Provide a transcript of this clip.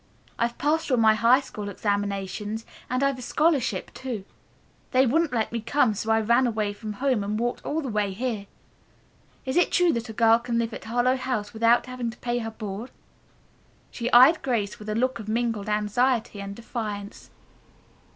I've passed all my high school examinations and I've a scholarship too. They wouldn't let me come, so I ran away from home and walked all the way here. Is it true that a girl can live at Harlowe House without having to pay her board?" she eyed Grace with a look of mingled anxiety and defiance.